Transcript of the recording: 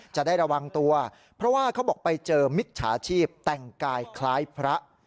จะได้ระวังตัวเพราะว่าเขาบอกไปเจอมิจฉาชีพแต่งกายคล้ายพระ